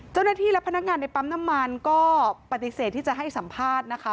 เจ้าหน้าที่และพนักงานในปั๊มน้ำมันก็ปฏิเสธที่จะให้สัมภาษณ์นะคะ